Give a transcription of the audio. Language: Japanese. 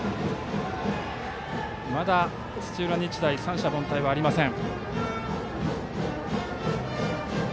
まだ土浦日大三者凡退はありません。